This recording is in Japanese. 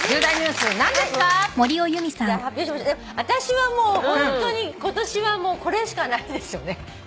私はもうホントに今年はこれしかないですよね。